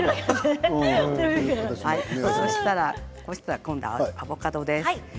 そしたらアボカドです。